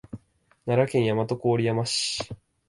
奈良県大和郡山市